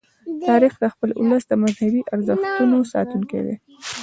تاریخ د خپل ولس د مذهبي ارزښتونو ساتونکی دی.